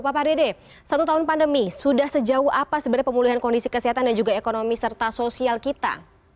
pak dede satu tahun pandemi sudah sejauh apa sebenarnya pemulihan kondisi kesehatan dan juga ekonomi serta sosial kita